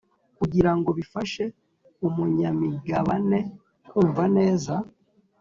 Kugira ngo bifashe umunyamigabane kumva neza